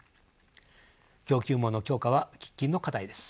供給網の強化は喫緊の課題です。